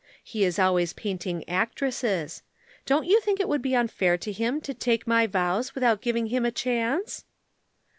He is always painting actresses. Don't you think it would be unfair to him to take my vows without giving him a chance?"